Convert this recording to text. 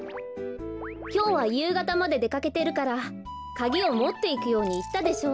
きょうはゆうがたまででかけてるからカギをもっていくようにいったでしょう。